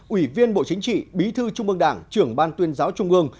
ủy viên bộ chính trị bí thư trung ương đảng trưởng ban tuyên giáo trung ương